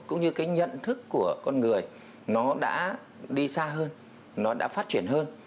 cũng như cái nhận thức của con người nó đã đi xa hơn nó đã phát triển hơn